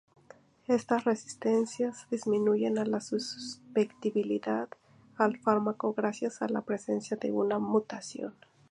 Estas resistencias disminuyen la susceptibilidad al fármaco gracias a la presencia de una mutación.